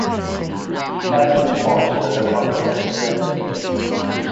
Satmar sponsors a comprehensive education system.